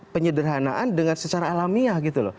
penyederhanaan dengan secara alamiah